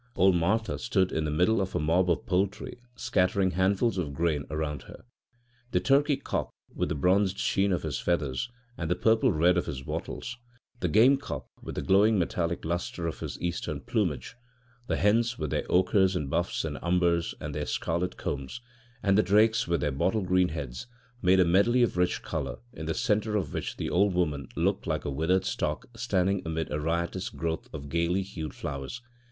Old Martha stood in the middle of a mob of poultry scattering handfuls of grain around her. The turkey cock, with the bronzed sheen of his feathers and the purple red of his wattles, the gamecock, with the glowing metallic lustre of his Eastern plumage, the hens, with their ochres and buffs and umbers and their scarlet combs, and the drakes, with their bottle green heads, made a medley of rich colour, in the centre of which the old woman looked like a withered stalk standing amid a riotous growth of gaily hued flowers.